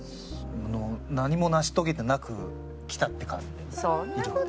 何も成し遂げてなくきたって感じでいるので。